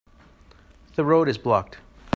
The road is blocked.